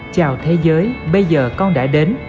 chào thế giới bây giờ con đã đến